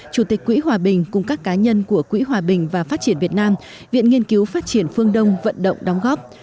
chủ tịch quỹ hòa bình cùng các cá nhân của quỹ hòa bình và phát triển việt nam viện nghiên cứu phát triển phương đông vận động đóng góp